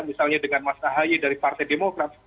misalnya dengan mas ahaye dari partai demokrat